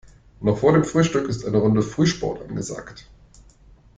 Noch vor dem Frühstück ist eine Runde Frühsport angesagt.